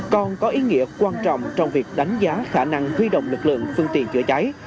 còn có ý nghĩa quan trọng trong việc đánh giá khả năng huy động lực lượng phương tiện chữa cháy